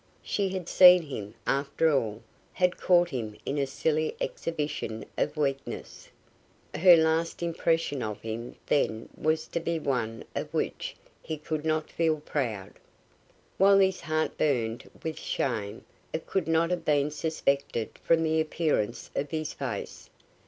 She had seen him, after all, had caught him in a silly exhibition of weakness. Her last impression of him, then, was to be one of which he could not feel proud. While his heart burned with shame, it could not have been suspected from the appearance of his face.